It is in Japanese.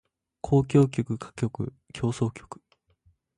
交響曲歌曲協奏曲